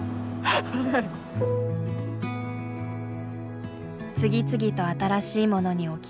次々と新しいものに置き換わる時代。